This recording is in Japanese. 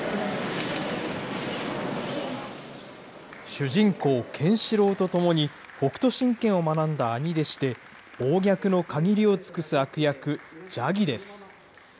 主人公、ケンシロウと共に北斗神拳を学んだ兄弟子で、暴虐の限りを尽くす悪役、ジャギです。